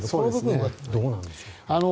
この部分はどうなんでしょう。